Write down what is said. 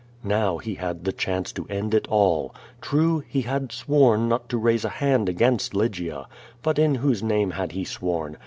Now he had the chance to end it all. True, he had sworn not to raise a hand against Lygia. But in whose name had he sworn?